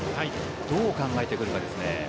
どう考えてくるかですね。